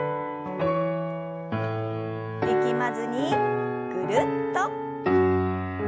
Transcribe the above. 力まずにぐるっと。